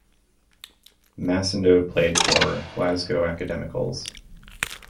Macindoe played for Glasgow Academicals.